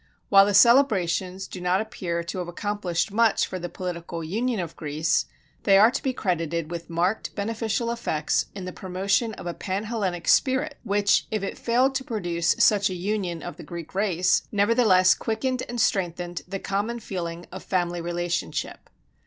While the celebrations do not appear to have accomplished much for the political union of Greece, they are to be credited with marked beneficial effects in the promotion of a pan Hellenic spirit which, if it failed to produce such a union of the Greek race, nevertheless quickened and strengthened the common feeling of family relationship.